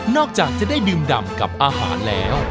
จากจะได้ดื่มดำกับอาหารแล้ว